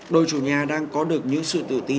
đội chủ nhà đang có được những sự tự ti